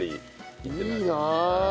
いいな。